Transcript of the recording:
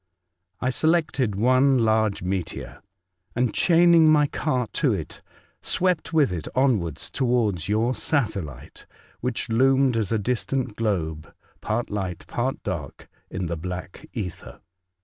I 21ie Mysterious Document, 65 selected one large meteor, and chaining my car to it, swept with it onwards towards your satellite, which loomed as a distant globe, part light, part dark, in the black ether.